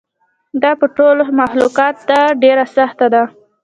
دا په ټولو مخلوقاتو ده ډېره سخته ده.